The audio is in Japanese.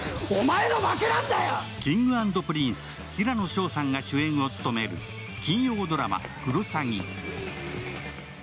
Ｋｉｎｇ＆Ｐｒｉｎｃｅ、平野紫耀さんが主演を務める金曜ドラマ「クロサギ」。